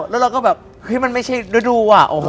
แล้วเราก็แบบมันไม่ใช่ฤดูอ่ะ